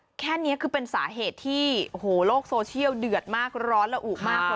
เนี่ยแค่นี้คือเป็นสาเหตุที่โลกโซเชียลเดือดมากร้อนและอุบมาก